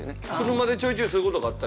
車でちょいちょいそういう事があった？